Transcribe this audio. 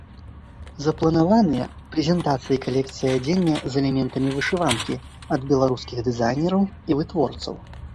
Запланаваныя прэзентацыі калекцыі адзення з элементамі вышыванкі ад беларускіх дызайнераў і вытворцаў.